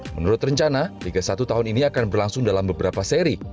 menurut rencana liga satu tahun ini akan berlangsung dalam beberapa seri